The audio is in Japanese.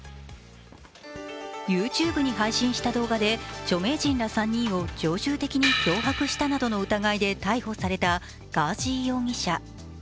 ＹｏｕＴｕｂｅに配信した動画で著名人ら３人を常習的に脅迫したなどの疑いで逮捕されたガーシー容疑者。